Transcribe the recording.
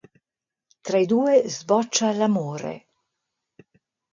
Tra i due sboccia l'amore.